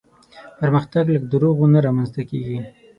پرمختګ له دروغو نه رامنځته کېږي.